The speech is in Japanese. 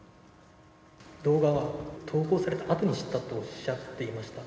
動画は投稿されたあとに知ったとおっしゃっていました。